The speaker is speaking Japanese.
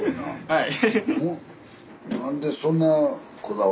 はい。